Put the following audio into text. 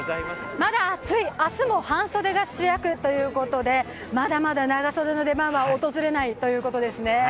まだ暑い、明日も半袖が主役ということでまだまだ長袖の出番は訪れないということですね。